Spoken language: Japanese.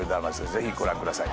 ぜひご覧ください。